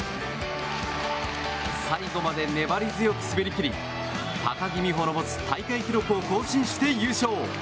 最後まで粘り強く滑りきり高木美帆の持つ大会記録を更新して優勝！